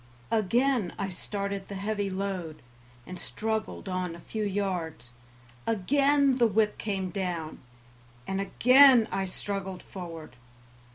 Again I started the heavy load, and struggled on a few yards; again the whip came down, and again I struggled forward.